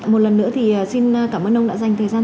một lần nữa thì xin cảm ơn ông đã dành thời gian